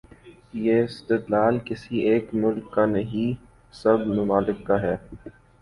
یہ استدلال کسی ایک ملک کا نہیں، سب ممالک کا ہے۔